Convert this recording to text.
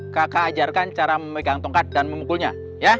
kakak ajarkan cara memegang tongkat dan memukulnya